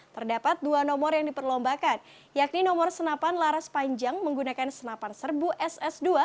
terdapat dua nomor yang diperlombakan yakni nomor senapan laras panjang menggunakan senapan serbu ss dua